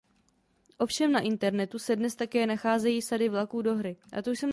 Ovšem na internetu se dnes také nacházejí sady vlaků do hry.